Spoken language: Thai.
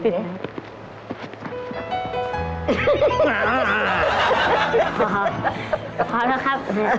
พอแล้วครับ